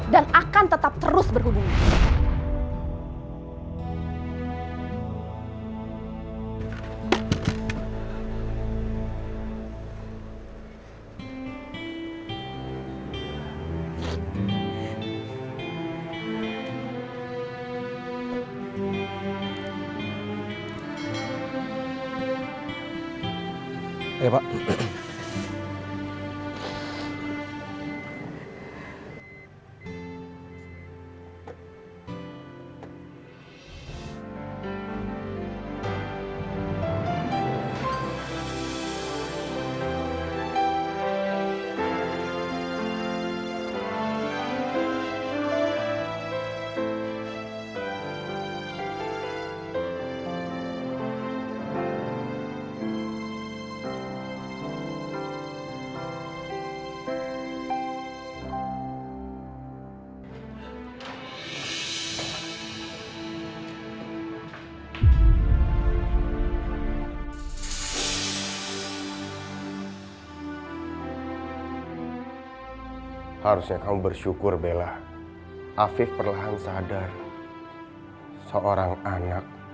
dan akan tetap terus berhubungan